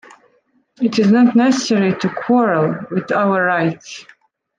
It is not necessary to quarrel with our right.